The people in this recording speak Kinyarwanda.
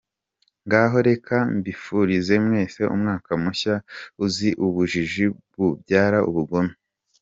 Ngaho reka mbifurize mwese umwaka mushya uzira ubujiji bubyara ubugome.